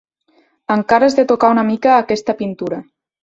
Encara has de tocar una mica aquesta pintura.